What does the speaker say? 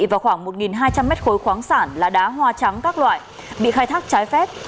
và khoảng một hai trăm linh mét khối khoáng sản là đá hoa trắng các loại bị khai thác trái phép